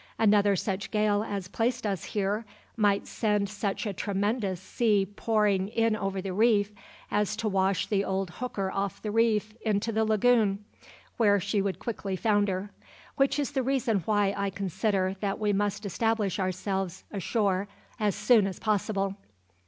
Another such gale as placed us here might send such a tremendous sea pouring in over the reef as to wash the old hooker off the reef into the lagoon, where she would quickly founder which is the reason why I consider that we must establish ourselves ashore as soon as possible."